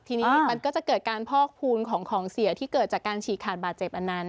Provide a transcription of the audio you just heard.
ทีนี้มันก็จะเกิดการพอกพูนของของเสียที่เกิดจากการฉีกขาดบาดเจ็บอันนั้น